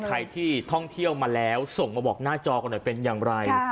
ใครที่ท่องเที่ยวมาแล้วส่งมาบอกหน้าจอก่อนหน่อยเป็นอย่างไร